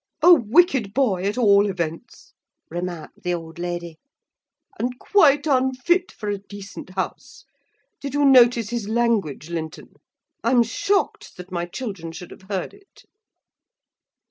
"'A wicked boy, at all events,' remarked the old lady, 'and quite unfit for a decent house! Did you notice his language, Linton? I'm shocked that my children should have heard it.